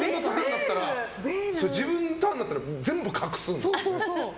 自分のことになったら全部隠すんですよ。